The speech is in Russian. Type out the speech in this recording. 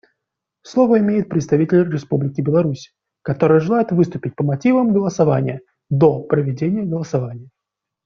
Слово имеет представитель Республики Беларусь, которая желает выступить по мотивам голосования до проведения голосования.